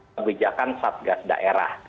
kebijakan satgas daerah